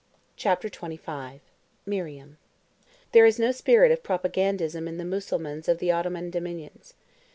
CHAPTER XXV—MARIAM There is no spirit of propagandism in the Mussulmans of the Ottoman dominions.